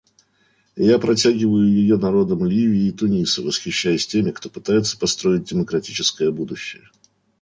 Я протягиваю ее народам Ливии и Туниса, восхищаясь теми, кто пытается построить демократическое будущее.